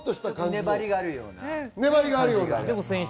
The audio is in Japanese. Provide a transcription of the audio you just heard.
粘りがあるような。